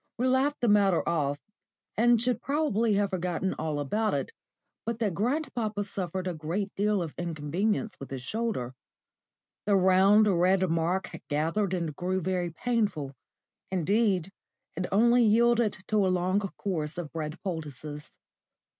*_ We laughed the matter off, and should probably have forgotten all about it but that grandpapa suffered a great deal of inconvenience with his shoulder. The round, red mark gathered and grew very painful. Indeed it only yielded to a long course of bread poultices.